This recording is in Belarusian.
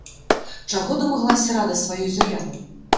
Чаго дамаглася рада сваёй заявай?